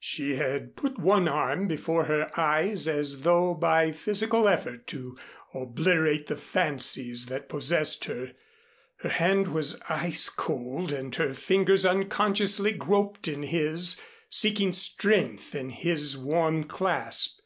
She had put one arm before her eyes as though by physical effort to obliterate the fancies that possessed her. Her hand was ice cold and her fingers unconsciously groped in his, seeking strength in his warm clasp.